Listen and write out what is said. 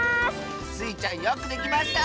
スイちゃんよくできました！